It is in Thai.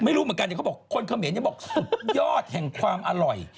ไม่รู้เหมือนกันเขาบอกคนเขมรยังบอกสุดยอดแห่งความอร่อย